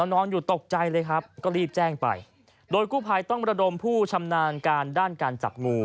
นอนอยู่ตกใจเลยครับก็รีบแจ้งไปโดยกู้ภัยต้องระดมผู้ชำนาญการด้านการจับงู